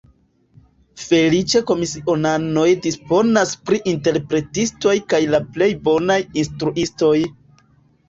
Feliĉe komisionanoj disponas pri interpretistoj kaj la plej bonaj instruistoj.